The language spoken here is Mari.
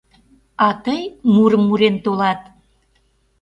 А тый мурым мурен толат.